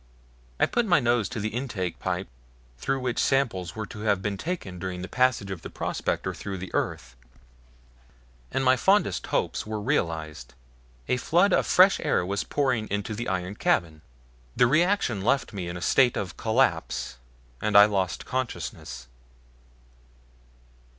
I put my nose to the intake pipe through which samples were to have been taken during the passage of the prospector through the earth, and my fondest hopes were realized a flood of fresh air was pouring into the iron cabin. The reaction left me in a state of collapse, and I lost consciousness.